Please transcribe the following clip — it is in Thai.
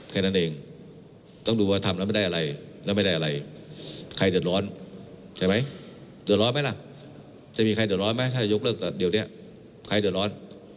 ใครเดิดร้อนไหมให้ยกเลิกเดี๋ยวนี้ใครเดิดร้อน